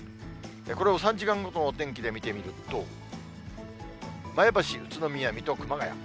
これを３時間ごとのお天気で見てみると、前橋、宇都宮、水戸、熊谷。